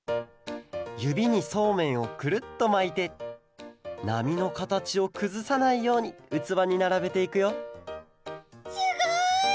ゆびにそうめんをくるっとまいてなみのかたちをくずさないようにうつわにならべていくよすごい！